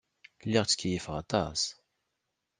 Lliɣ ttkeyyifeɣ aṭas.